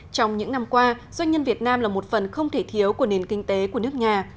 trong những năm qua doanh nhân việt nam là một phần không thể thiếu của nền kinh tế của nước nhà